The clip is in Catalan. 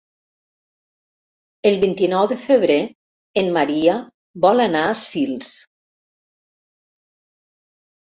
El vint-i-nou de febrer en Maria vol anar a Sils.